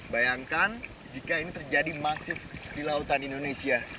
bayangkan jika ini terjadi masif di lautan indonesia